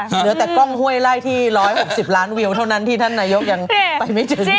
เหลือแต่กล้องห้วยไล่ที่๑๖๐ล้านวิวเท่านั้นที่ท่านนายกยังไปไม่ถึง